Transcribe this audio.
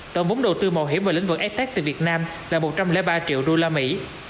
tổng vốn đầu tư mạo hiểm vào lĩnh vực stec tại việt nam là một trăm linh ba triệu đô la mỹ